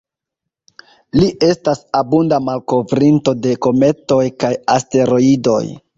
Li estas abunda malkovrinto de kometoj kaj asteroidoj.